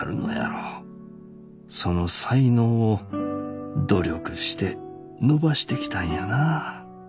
その才能を努力して伸ばしてきたんやな。